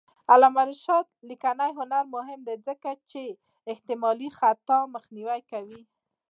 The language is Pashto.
د علامه رشاد لیکنی هنر مهم دی ځکه چې احتمالي خطا مخنیوی کوي.